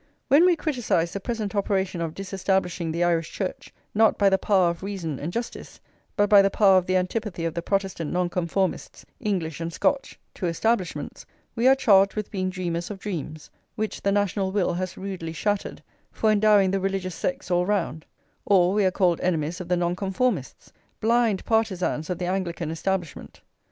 When we criticise the present operation of disestablishing the Irish Church, not by the power of reason and justice, but by the power of the antipathy of the Protestant Nonconformists, English and Scotch, to establishments, we are charged with being dreamers of dreams, which the national will has rudely shattered, for endowing the religious sects all round; or we are called enemies of the Nonconformists, blind partisans of the Anglican Establishment.